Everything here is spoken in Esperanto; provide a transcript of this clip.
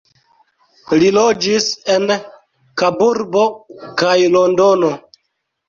Li loĝis en Kaburbo kaj Londono.